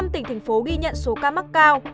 năm tỉnh thành phố ghi nhận số ca mắc cao